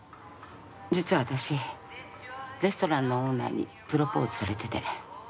実は私レストランのオーナーにプロポーズされてて。